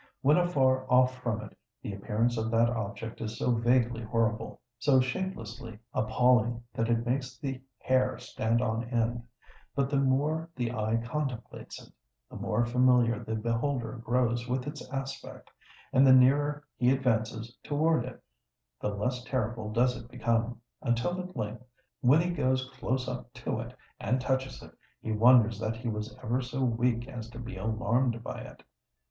When afar off from it, the appearance of that object is so vaguely horrible—so shapelessly appalling, that it makes the hair stand on end; but the more the eye contemplates it—the more familiar the beholder grows with its aspect—and the nearer he advances towards it, the less terrible does it become; until at length, when he goes close up to it, and touches it, he wonders that he was ever so weak as to be alarmed by it.